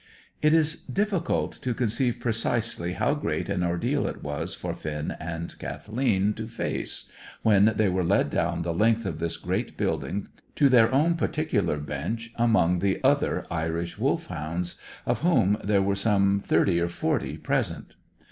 It is difficult to conceive precisely how great an ordeal it was for Finn and Kathleen to face, when they were led down the length of this great building to their own particular bench among the other Irish Wolfhounds, of whom there were some thirty or forty present.